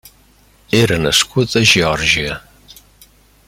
Era nascut a Geòrgia.